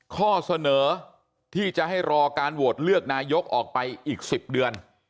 ข้อเสนอที่จะให้รอการโหวตเลือกนายกออกไปอีก๑๐เดือน